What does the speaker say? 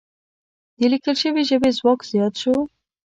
د لیکل شوې ژبې ځواک زیات شو.